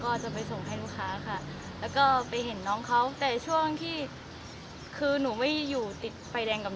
ก็ได้พันกว่าบาทพันกว่าบาทอืมใช่ค่ะ